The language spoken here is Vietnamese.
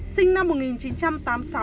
sinh năm một nghìn chín trăm tám mươi sáu